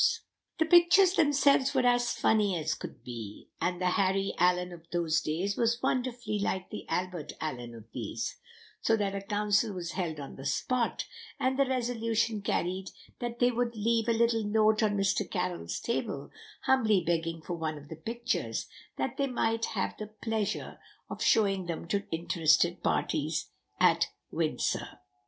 [Illustration: 0192] The pictures themselves were as funny as could be, and the Harry Allyn of those days was wonderfully like the Albert Allyn of these; so that a council was held on the spot, and the resolution carried that they would leave a little note on Mr. Carroll's table, humbly begging for one of the pictures, that they might have the pleasure of showing them to interested parties at Windsor.